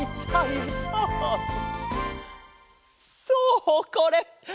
そうこれ！